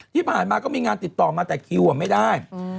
ที่ผ่านมาก็มีงานติดต่อมาแต่คิวไม่ได้